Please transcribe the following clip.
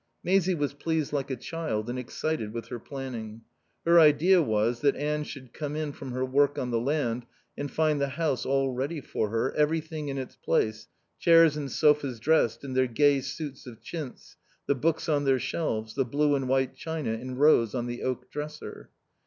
Maisie was pleased like a child and excited with her planning. Her idea was that Anne should come in from her work on the land and find the house all ready for her, everything in its place, chairs and sofas dressed in their gay suits of chintz, the books on their shelves, the blue and white china in rows on the oak dresser.